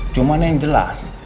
cuman yang jelas